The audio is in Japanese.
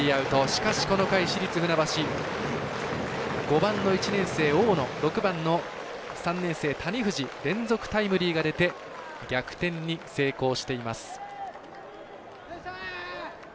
しかし、この回、市立船橋５番の１年生、大野６番の３年生、谷藤連続タイムリーが出て逆転に成功しています。